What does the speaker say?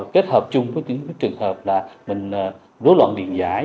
kết hợp chung với những trường hợp là mình rối loạn điện giải